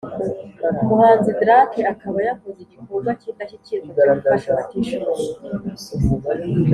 umuhanzi drake akaba yakoze igikorwa kindashyikirwa cyo gufasha abatishoboye